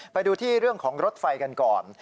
ไปดูที่เรื่องของรถไฟกันก่อน